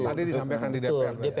tadi disampaikan di dpr